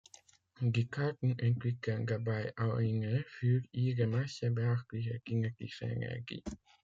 Die Karten entwickeln dabei eine für ihre Masse beachtliche kinetische Energie.